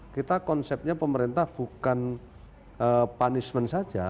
kita konsepnya pemerintah bukan punishment saja